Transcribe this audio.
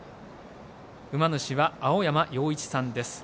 馬主は青山洋一さんです。